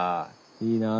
いいなあ。